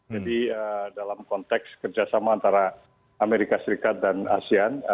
jadi dalam konteks kerjasama antara amerika serikat dan asean